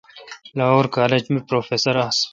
لاہور کالج می پروفیسر آس۔